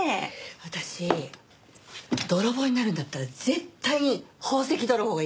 私泥棒になるんだったら絶対に宝石泥棒がいいです。